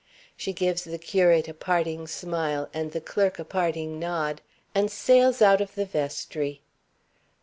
She gives the curate a parting smile, and the clerk a parting nod, and sails out of the vestry.